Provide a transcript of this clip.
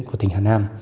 của tỉnh hà nam